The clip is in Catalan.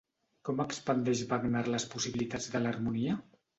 Com expandeix Wagner les possibilitats de l'harmonia?